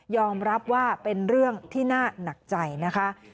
รับว่าเป็นเรื่องที่น่าหนักใจนะคะ